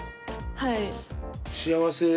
はい。